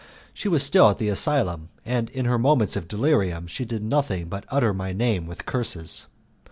She was still at the asylum, and in her moments of delirium she did nothing but utter my name with curses.